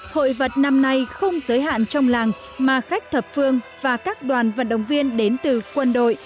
hội vật năm nay không giới hạn trong làng mà khách thập phương và các đoàn vận động viên đến từ quân đội